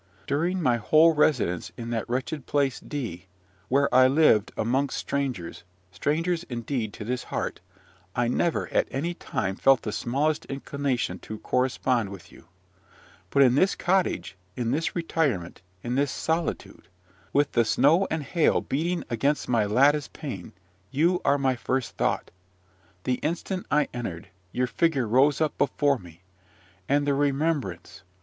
During my whole residence in that wretched place D , where I lived amongst strangers, strangers, indeed, to this heart, I never at any time felt the smallest inclination to correspond with you; but in this cottage, in this retirement, in this solitude, with the snow and hail beating against my lattice pane, you are my first thought. The instant I entered, your figure rose up before me, and the remembrance!